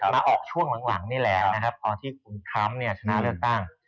มาออกช่วงหลังนี่แหละนะครับตอนที่คุณทรัมป์ชนะเลือกตั้ง